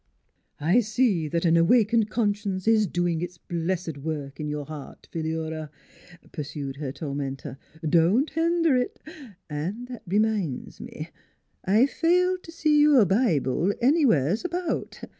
" I see that an awakened conscience is doin' its bles sed work in your heart, Phi lura," pursued her tormentor. "Don't hender it! ... An' that r'minds me, I fail t' see your Bi ble anywheres about.